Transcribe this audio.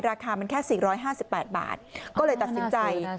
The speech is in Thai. ราคามันแค่๔๕๘บาทก็เลยตัดสินใจ